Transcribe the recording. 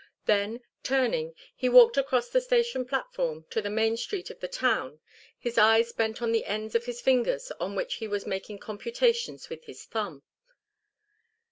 Then, turning, he walked across the station platform to the main street of the town, his eyes bent on the ends of his fingers on which he was making computations with his thumb.